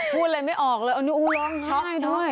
พูดอะไรไม่ออกเลยอันนี้อู้ร้องช็อกด้วย